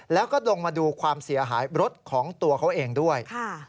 แล้วก็ลงมาดูความเสียหายรถของตัวเขาเองด้วย